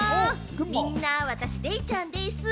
みんな、私、デイちゃんです！